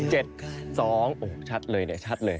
โอ้โหชัดเลยเนี่ยชัดเลย